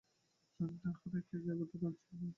জানি না ইহা কখনও জগতে কার্যে পরিণত হইবে কিনা।